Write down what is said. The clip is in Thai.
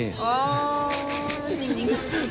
อ๋อจริงครับ